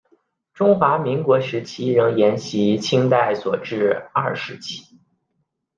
中华民国时期仍沿袭清代所置二十旗。